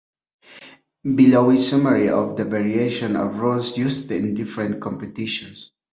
Below is a summary of the variations of rules used in different competitions.